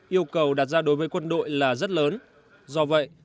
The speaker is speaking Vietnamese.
yêu cầu đặt ra đối với quân đội là rất lớn do vậy